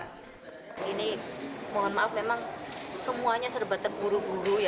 mohon maaf memang semuanya serba terburu buru